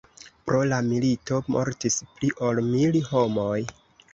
Pro la milito mortis pli ol mil homoj.